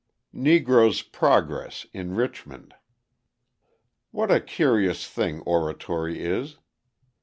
Negro's Progress in Richmond What a curious thing oratory is!